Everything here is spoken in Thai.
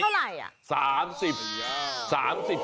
อ่ะอายุเท่าไหร่